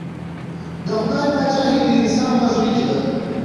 د خدای پاچهي د انسان په زړه کې ده.